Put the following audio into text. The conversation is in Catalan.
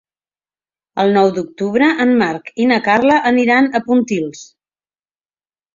El nou d'octubre en Marc i na Carla aniran a Pontils.